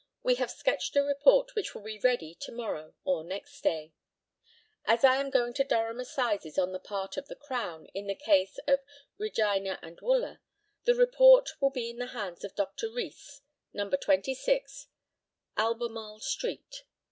We have sketched a report, which will be ready to morrow or next day. "As I am going to Durham Assizes on the part of the Crown, in the case of Reg. v. Wooler, the report will be in the hands of Dr. Rees, No. 26, Albemarle street.